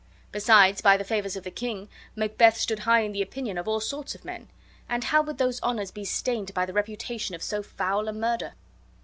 Besides, by the favors of the king, Macbeth stood high in the opinion of all sorts of men, and how would those honors be stained by the reputation of so foul a murder!